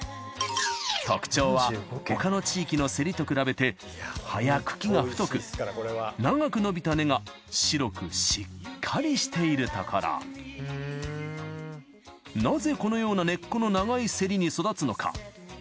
特徴は他の地域のせりと比べて葉や茎が太く長く伸びた根が白くしっかりしているところなぜこのような根っこの長いせりに育つのか？